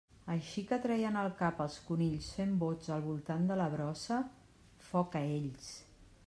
Així que treien el cap els conills fent bots al voltant de la brossa, foc a ells!